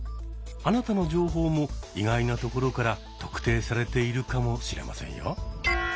あなたの情報も意外なところから「特定」されているかもしれませんよ。